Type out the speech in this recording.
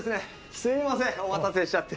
すみませんお待たせしちゃって。